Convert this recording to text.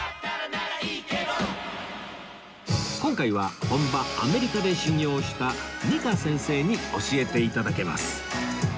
今回は本場アメリカで修業した ＮＩＫＡ 先生に教えて頂けます